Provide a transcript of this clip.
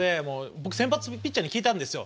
僕、先発ピッチャーに聞いたんですよ。